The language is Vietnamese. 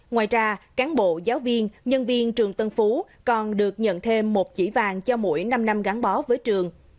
ngoài ra cán bộ giáo viên nhân viên trường tân phú còn được nhận thêm một chỉ vàng cho mỗi năm năm gắn bó với trường